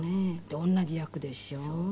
で同じ役でしょう。